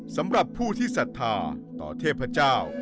สำหรับผู้ที่ศรัทธาต่อเทพเจ้า